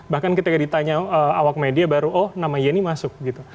bahkan ketika ditanya awak media baru oh nama yeni masuk gitu